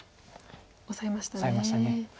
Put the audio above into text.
オサえました。